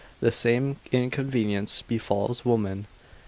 The same inconvenience befalls women.